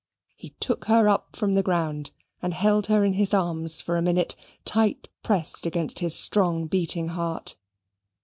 He took her up from the ground, and held her in his arms for a minute, tight pressed against his strong beating heart.